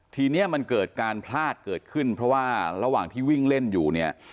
ทีนี้มันเกิดการพลาดเกิดขึ้นเพราะว่าระหว่างที่วิ่งเล่นอยู่เนี่ย